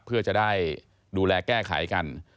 เพื่อจะได้ดูแลแก้ไขกัน